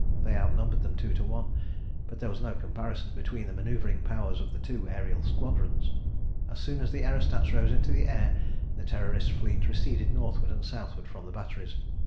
They outnumbered them two to one, but there was no comparison between the manœuvring powers of the two aërial squadrons. As soon as the aerostats rose into the air, the Terrorist fleet receded northward and southward from the batteries.